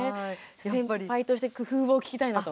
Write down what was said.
先輩として工夫を聞きたいなと。